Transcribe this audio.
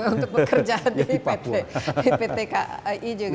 untuk pekerjaan di pt kai juga